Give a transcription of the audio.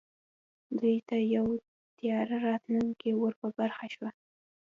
دوی ته یو تیاره راتلونکی ور په برخه شو